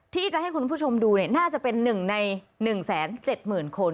ที่จะให้คุณผู้ชมดูน่าจะเป็น๑ใน๑๗๐๐๐คน